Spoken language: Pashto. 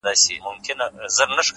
هغې پرون زما د قتل دسيسه جوړه کړه!